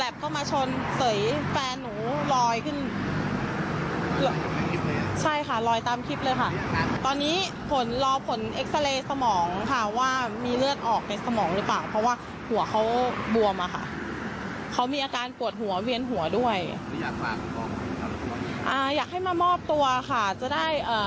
ฟังเสียงพันธรรยาของผู้บาดเจ็บค่ะ